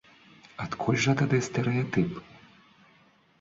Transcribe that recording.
Адкуль жа тады стэрэатып?